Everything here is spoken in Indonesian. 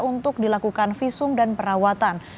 untuk dilakukan visum dan perawatan